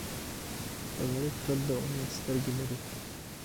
غریب تل د امید سترګې لري